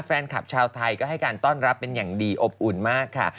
แฟนคลับชาวไทยก็ให้การต้อนรับเป็นอย่างดีอบอุ่นมากค่ะ